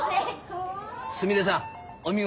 すみれさんお見事。